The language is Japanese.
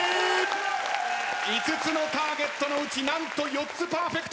５つのターゲットのうち何と４つパーフェクト！